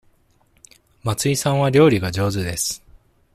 松井さんは料理が上手です。